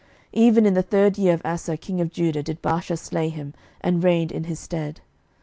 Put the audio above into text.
11:015:028 Even in the third year of Asa king of Judah did Baasha slay him, and reigned in his stead.